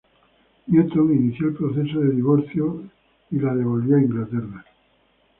Newton inició el proceso de divorcio y la devolvió a Inglaterra.